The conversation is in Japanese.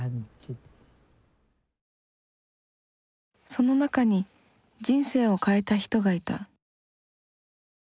その中に人生を変えた人がいた。